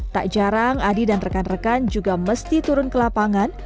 tak jarang adi dan rekan rekan juga mesti turun ke lapangan